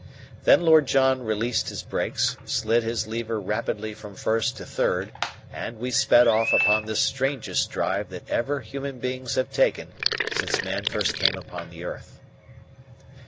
Then Lord John released his brakes, slid his lever rapidly from first to third, and we sped off upon the strangest drive that ever human beings have taken since man first came upon the earth.